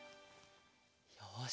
よし！